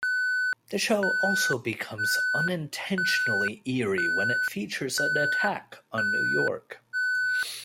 The show also becomes unintentionally eerie when it features an attack on New York.